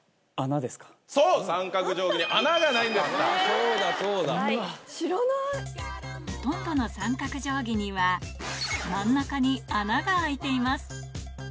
ほとんどの三角定規には真ん中に穴が開いています